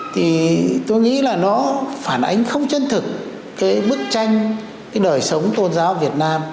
thì tôi nghĩ là nó phản ánh không chân thực cái bức tranh cái đời sống tôn giáo việt nam